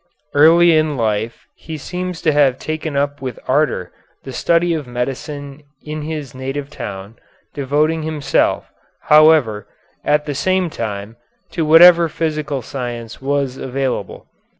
Early in life he seems to have taken up with ardor the study of medicine in his native town, devoting himself, however, at the same time to whatever of physical science was available.